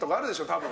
多分。